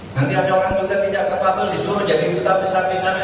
nanti ada orang juga tidak sepatulnya disuruh jadi tetap besar besarnya